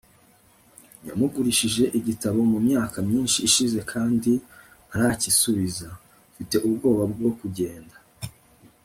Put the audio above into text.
yamugurije igitabo mu myaka myinshi ishize kandi ntaracyisubiza.mfite ubwoba bwo kugenda